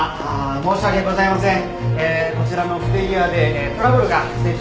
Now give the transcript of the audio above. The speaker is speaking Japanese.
申し訳ございません。